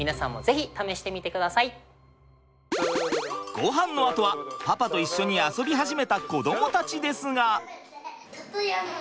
ごはんのあとはパパと一緒に遊び始めた子どもたちですが。